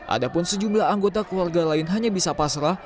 adapun sejumlah anggota keluarga lain hanya bisa pasrah